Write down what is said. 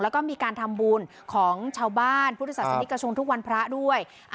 แล้วก็มีการทำบุญของชาวบ้านพุทธศาสนิกชนทุกวันพระด้วย